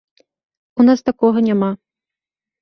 У нас такога няма.